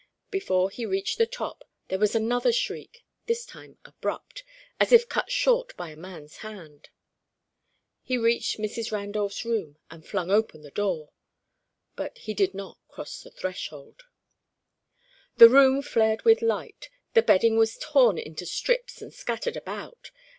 Before he reached the top, there was another shriek, this time abrupt, as if cut short by a man's hand. He reached Mrs. Randolph's room and flung open the door. But he did not cross the threshold. The room flared with light. The bedding was torn into strips and scattered about.